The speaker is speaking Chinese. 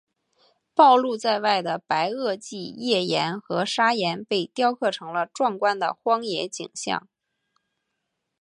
暴露在外的白垩纪页岩和砂岩被雕刻成了壮观的荒野景象。